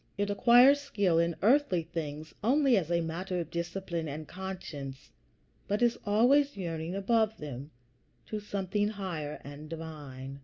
It acquires skill in earthly things only as a matter of discipline and conscience, but is always yearning above them to something higher and divine.